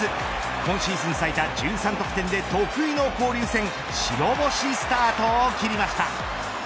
今シーズン最多１３得点で得意の交流戦白星スタートを切りました。